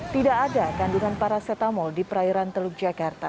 tidak ada kandungan paracetamol di perairan teluk jakarta